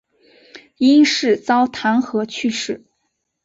因事遭弹劾去世。